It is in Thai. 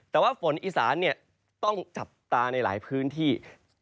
แต่ว่าฝนอีสานต้องจับตาในหลายพื้นที่